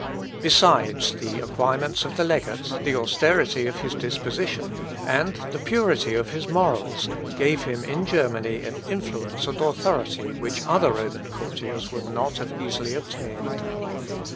Besides, the acquirements of the legate, the austerity of his disposition, and the purity of his morals, gave him in Germany an influence and authority which other Roman courtiers would not have easily obtained.